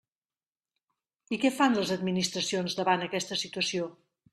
I què fan les administracions davant aquesta situació?